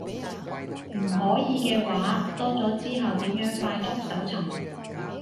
唔可以嘅話，多咗之後點樣快速搜尋